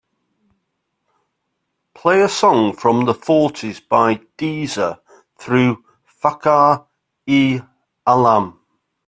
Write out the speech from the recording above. Play a song from the fourties by Deezer through Fakhar-e-alam.